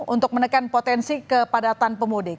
untuk menekan potensi kepadatan pemudik